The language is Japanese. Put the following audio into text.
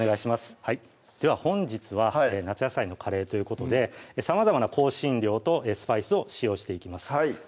はいでは本日は夏野菜のカレーということでさまざまな香辛料とスパイスを使用していきます